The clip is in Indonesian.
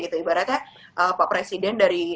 ibaratnya pak presiden dari